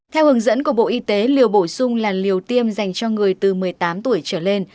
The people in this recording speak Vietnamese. theo hướng dẫn của bộ y tế liều bổ sung là liều tiêm dành cho người từ một mươi tám tuổi trở lên